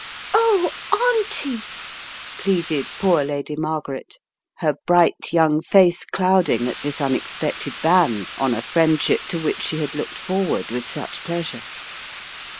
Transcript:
"Oh, Auntie!" pleaded poor Lady Margaret, her bright young face clouding at this unexpected ban on a friendship to which she had looked forward with such pleasure.